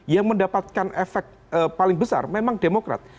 yang mendapatkan efek paling besar memang demokrat